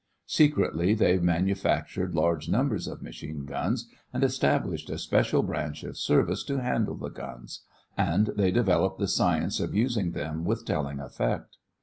Secretely they manufactured large numbers of machine guns and established a special branch of service to handle the guns, and they developed the science of using them with telling effect.